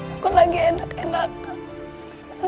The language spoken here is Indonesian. aku lagi enak enakan